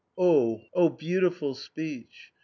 _" Oh, beautiful speech!